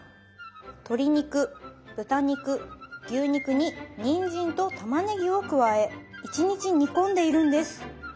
鶏肉豚肉牛肉ににんじんとたまねぎを加え１日煮込んでいるんです。